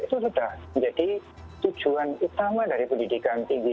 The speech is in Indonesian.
itu sudah menjadi tujuan utama dari pendidikan tinggi